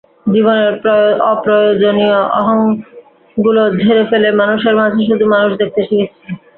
জীবনের অপ্রয়োজনীয় অহংগুলো ঝেড়ে ফেলে মানুষের মাঝে শুধু মানুষ দেখতে শিখেছি।